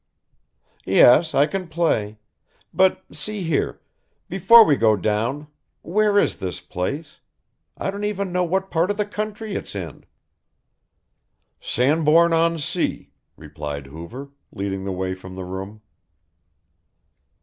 "Yes, I can play but, see here, before we go down, where is this place? I don't even know what part of the country it's in." "Sandbourne on sea," replied Hoover, leading the way from the room.